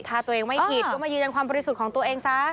ถ้าตัวเองไม่ผิดก็มายืนยันความบริสุทธิ์ของตัวเองซะ